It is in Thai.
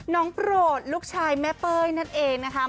โปรดลูกชายแม่เป้ยนั่นเองนะคะ